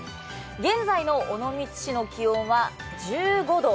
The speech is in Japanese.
現在の尾道市の気温は１５度。